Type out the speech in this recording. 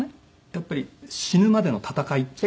やっぱり死ぬまでの闘い。